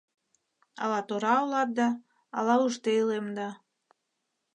Ала тора улат да, ала ужде илем да